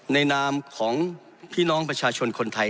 นามของพี่น้องประชาชนคนไทย